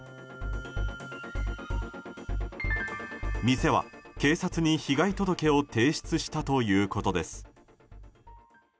店は、警察に被害届を提出したということです。